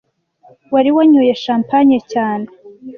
wari wanyoye champagne cyane